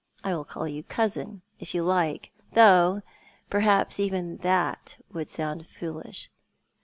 I'll call you cousin, if you like, though perhaps even that would sound foolish.